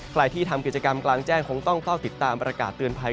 ใครที่ทำกิจกรรมกลางแจ้งคงต้องเฝ้าติดตามประกาศเตือนภัย